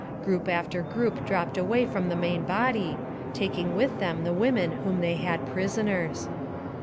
Group after group dropped away from the main body, taking with them the women whom they had prisoners.